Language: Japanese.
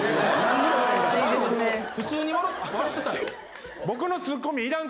普通に笑ってたよ。